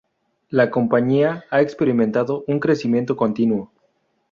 La compañía ha experimentado un crecimiento continúo.